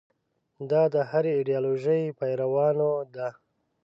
دا د هرې ایدیالوژۍ پیروانو ده.